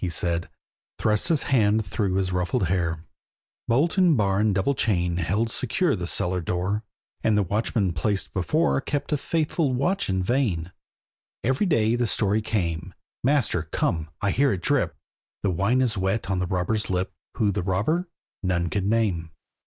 he said, Thrust his hand through his ruffled hair. Bolt and bar and double chain Held secure the cellar door; And the watchman placed before, Kept a faithful watch in vain. Every day the story came, "Master, come! I hear it drip!" The wine is wet on the robber's lip, Who the robber, none could name.